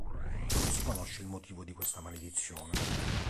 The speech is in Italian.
Non si conosce il motivo di questa maledizione.